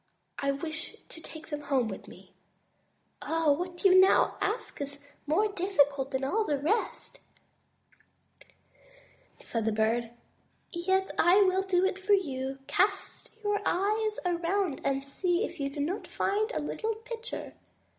I wish to take them home with me." "What you now ask of me is more difficult than all the rest," said the Bird, "yet I will do it for you. Cast your eyes around and see if you do not find a little pitcher."